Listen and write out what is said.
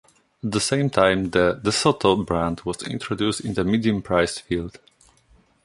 At the same time, the DeSoto brand was introduced in the medium-price field.